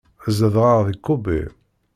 Zedɣeɣ di Kobe.